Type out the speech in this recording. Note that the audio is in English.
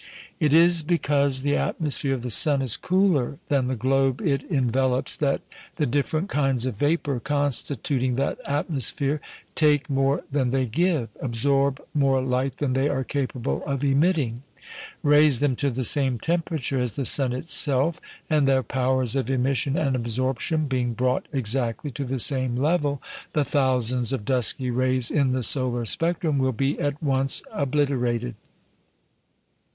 It is because the atmosphere of the sun is cooler than the globe it envelops that the different kinds of vapour constituting that atmosphere take more than they give, absorb more light than they are capable of emitting; raise them to the same temperature as the sun itself, and their powers of emission and absorption being brought exactly to the same level, the thousands of dusky rays in the solar spectrum will be at once obliterated.